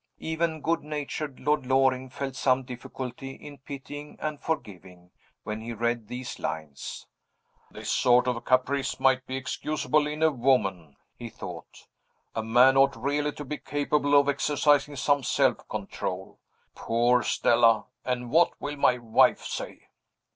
Even good natured Lord Loring felt some difficulty in pitying and forgiving, when he read these lines. "This sort of caprice might be excusable in a woman," he thought. "A man ought really to be capable of exercising some self control. Poor Stella! And what will my wife say?"